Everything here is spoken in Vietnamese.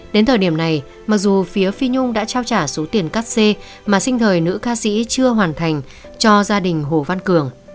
đến thời điểm này mặc dù phía phi nhung đã trao trả số tiền cắt xê mà sinh thời nữ ca sĩ chưa hoàn thành cho gia đình hồ văn cường